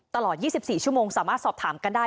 ตลอด๒๔ชั่วโมงสามารถสอบถามกันได้